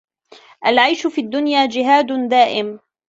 العيش في الدنيا جهاد دائم